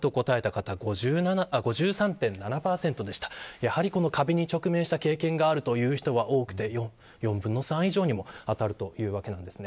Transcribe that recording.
やはり壁に直面した経験があるという人は多くて４分の３以上にも当たるというわけなんですね。